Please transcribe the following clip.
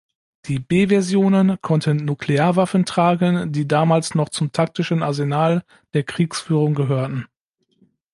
Die „B“-Versionen konnten Nuklearwaffen tragen, die damals noch zum taktischen Arsenal der Kriegsführung gehörten.